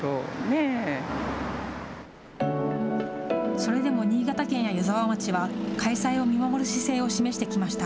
それでも新潟県や湯沢町は、開催を見守る姿勢を示してきました。